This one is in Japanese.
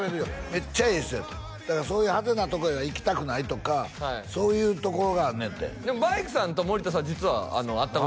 めっちゃええ人やっただからそういう派手なとこへは行きたくないとかそういうところがあんねやってでもバイクさんと森田さん実は会ったことあります